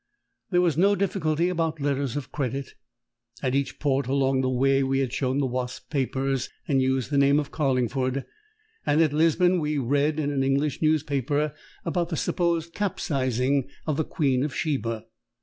There was no difficulty about letters of credit. At each port on the way we had shown the Wasp's papers, and used the name of Carlingford; and at Lisbon we read in an English newspaper about the supposed capsizing of the Queen of Sheba.